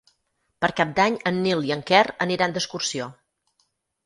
Per Cap d'Any en Nil i en Quer aniran d'excursió.